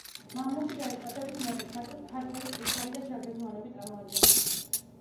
მამლუქი ჯარისკაცების უმეტეს ნაწილს ქართველი, ყივჩაყი და ჩერქეზი მონები წარმოადგენდნენ.